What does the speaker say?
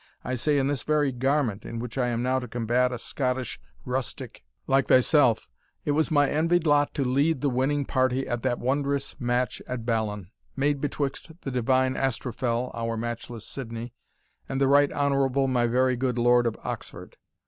I say in this very garment, in which I am now to combat a Scottish rustic like thyself, it was my envied lot to lead the winning party at that wonderous match at ballon, made betwixt the divine Astrophel, (our matchless Sidney,) and the right honourable my very good lord of Oxford.